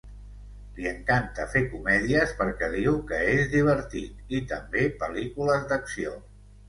Li encanta fer comèdies perquè diu que és divertit, i també pel·lícules d’acció.